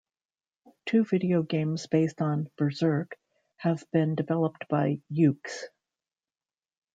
Two video games based on "Berserk" have been developed by Yuke's.